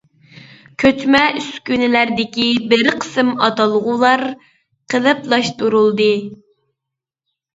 كۆچمە ئۈسكۈنىلەردىكى بىر قىسىم ئاتالغۇلار قېلىپلاشتۇرۇلدى.